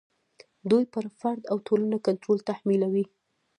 دوی پر فرد او ټولنه کنټرول تحمیلوي.